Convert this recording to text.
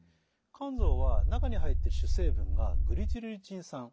甘草は中に入っている主成分がグリチルリチン酸。